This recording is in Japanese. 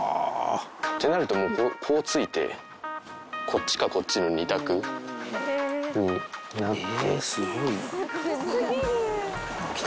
ってなると、もう、こうついて、こっちかこっちの２択になって。